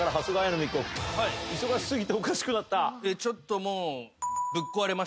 ちょっともう。